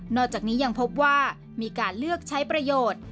อกจากนี้ยังพบว่ามีการเลือกใช้ประโยชน์